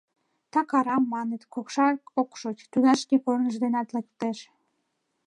Так арам, маныт, кокшат ок шоч, тудат шке корныж денак лектеш...